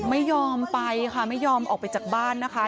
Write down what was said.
ไม่ยอมไปค่ะไม่ยอมออกไปจากบ้านนะคะ